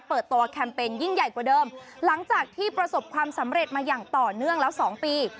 เปิดตัวแคมเปญยิ่งใหญ่กว่าเดิมหลังจากที่ประสบความสำเร็จมาอย่างต่อเนื่องแล้ว๒ปี